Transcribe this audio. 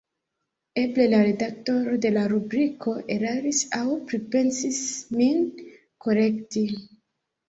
Eble la redaktoro de la rubriko eraris aŭ pripensis min korekti.